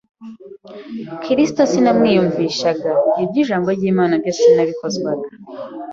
Kristo sinamwiyumvishaga. Iby’ijambo ry’Imana byo sinabikozwaga.